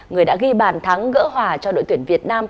ghi bàn thắng gỡ hòa cho đội tuyển việt nam